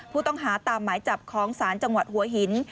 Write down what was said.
ผู้ต้องหาตามหมายจับของศาลจังหวัดหัวหิน